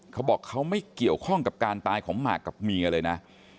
เขาบอกเขาไม่เกี่ยวข้องกับการตายของหมากกับเมียเลยนะ